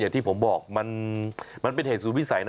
อย่างที่ผมบอกมันเป็นเหตุสูตรวิสัยนะ